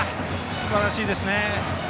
すばらしいですね。